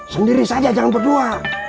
sendiri saja jangan berdua